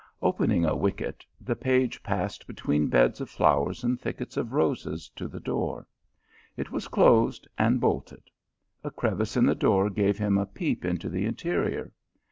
Opening a wicket, the page passed between beds of flowers and thickets of roses to the door. It was closed and bolted. A crevice in the door gave him a peep into the interior.